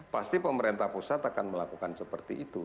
pasti pemerintah pusat akan melakukan seperti itu